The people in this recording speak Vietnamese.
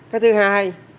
cái thứ hai